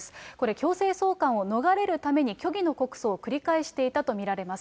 強制送還を逃れるために虚偽の告訴を繰り返していたと見られます。